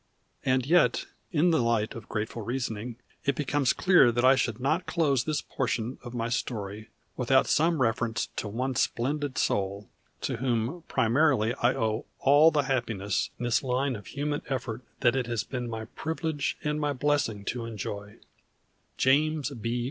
And yet in the light of grateful reasoning it becomes clear that I should not close this portion of my story without some reference to one splendid soul, to whom primarily I owe all the happiness in this line of human effort that it has been my privilege and my blessing to enjoy, James B.